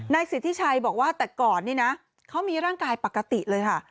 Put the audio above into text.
สิทธิชัยบอกว่าแต่ก่อนนี่นะเขามีร่างกายปกติเลยค่ะ